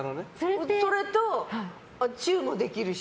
それとチューもできるし。